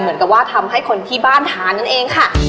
เหมือนกับว่าทำให้คนที่บ้านทานนั่นเองค่ะ